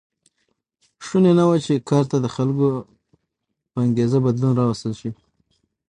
شونې نه وه چې کار ته د خلکو په انګېزه بدلون راوستل شي.